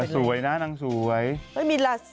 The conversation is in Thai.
สวยนะนางสวย